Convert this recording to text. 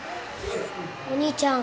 お兄ちゃん。